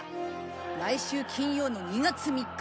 来週金曜の２月３日。